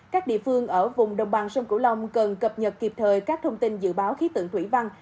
các địa phương ở vùng đồng bằng sông cửu long cần cập nhật kịp thời các thông tin dự báo khí tượng thủy văn